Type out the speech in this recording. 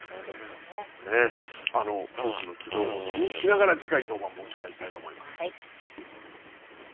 あのフォークの軌道も気にしながら、次回登板も期待したいと思